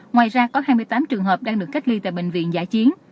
ngoài ra có hai mươi tám trường hợp đang được cách ly tại bệnh viện giã chiến